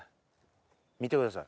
見てください